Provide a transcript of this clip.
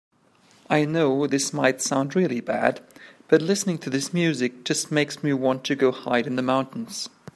I know this might sound really bad, but listening to this music just makes me want to go hide in the mountains.